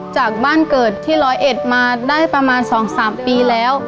จากบ้านเกิดที่ร้อยเอ็ดมาได้ประมาณ๒๓ปีแล้ว